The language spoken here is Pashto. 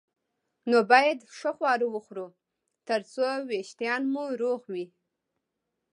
نو باید ښه خواړه وخورو ترڅو وېښتان مو روغ وي